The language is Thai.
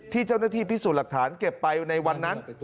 ที่เจ้าหน้าที่พิสูจน์หลักฐานเก็บไปในวันนั้น